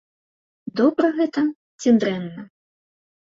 Добра гэта ці дрэнна?